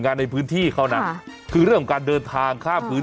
งานในพื้นที่เขานะคือเรื่องของการเดินทางข้ามพื้น